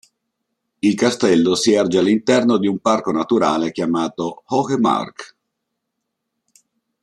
Il castello si erge all'interno di un parco naturale chiamato "Hohe Mark".